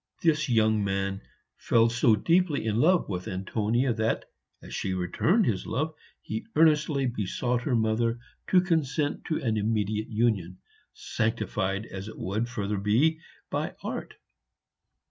This young man fell so deeply in love with Antonia that, as she returned his love, he earnestly besought her mother to consent to an immediate union, sanctified as it would further be by art.